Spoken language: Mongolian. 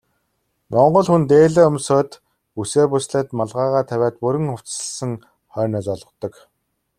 Монгол хүн дээлээ өмсөөд, бүсээ бүслээд малгайгаа тавиад бүрэн хувцасласан хойноо золгодог.